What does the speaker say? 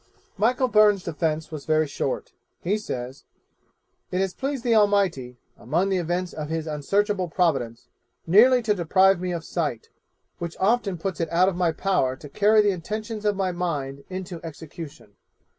Michael Byrne's Defence was very short. He says, 'It has pleased the Almighty, among the events of His unsearchable providence, nearly to deprive me of sight, which often puts it out of my power to carry the intentions of my mind into execution.